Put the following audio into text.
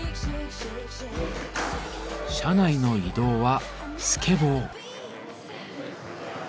車内の移動はスケボー。